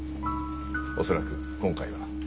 恐らく今回は。